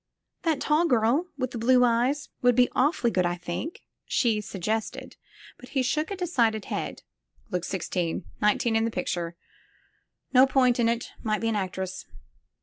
That tall girl with the big blue eyes would be awfully good, I think," she suggested, but he shook a decided head. "Looks 6i:5teen. Nineteen in the picture. No point in it — ^might be an actress.